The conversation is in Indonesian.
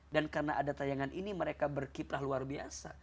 dan karena ada tayangan ini mereka berkiprah luar biasa